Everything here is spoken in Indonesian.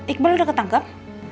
iqbal udah ketangkep